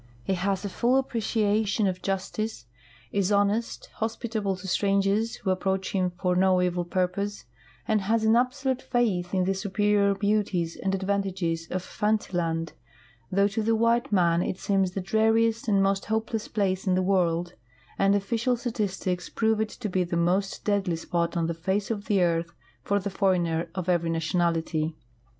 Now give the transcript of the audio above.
He has a full fip})reciation of justice, is honest, hospitable to strangers who approach him for no evil purpose, and has an absolute faith in the superior beauties and advantages of Fantiland, though to the white man it seems the dreariest and most hopeless place in the world, and official statistics prove it to be the most deadly .spot on the face of the earth for the foreigner of every nation ality.